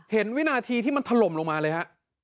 เห็นวินาทีที่มันถล่มลงมาเลย